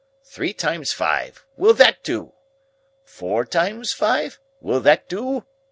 Three times five; will that do? Four times five; will that do?"